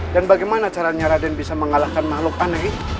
dan bagaimana caranya raden bisa mengalahkan makhluk aneh itu